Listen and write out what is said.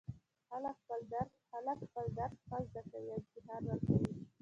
هلک خپل درس ښه زده کوي او امتحان ورکوي